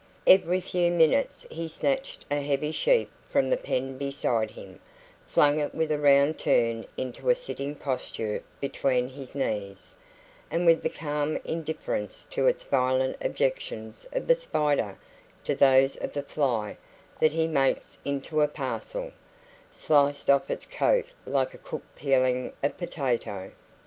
Every few minutes he snatched a heavy sheep from the pen beside him, flung it with a round turn into a sitting posture between his knees, and with the calm indifference to its violent objections of the spider to those of the fly that he makes into a parcel, sliced off its coat like a cook peeling a potato.